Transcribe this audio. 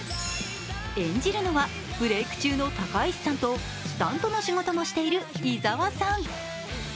演じるのはブレイク中の高石さんとスタントの仕事もしている伊澤さん。